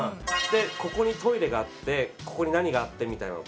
ここにトイレがあってここに何があってみたいなの。